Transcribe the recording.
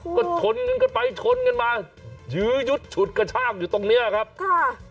ก็ชนกันไปชนกันมายื้อยุดฉุดกระชากอยู่ตรงเนี้ยครับค่ะ